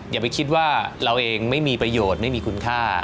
อย่าไปคิดว่าเราเองไม่มีประโยชน์ไม่มีคุณค่า